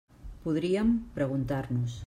Podríem preguntar-nos.